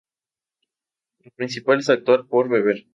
Lo principal es actuar por deber.